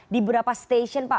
di beberapa stesion pak